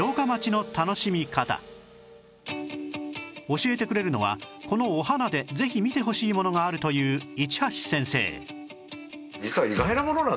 教えてくれるのはこの御花でぜひ見てほしいものがあるという市橋先生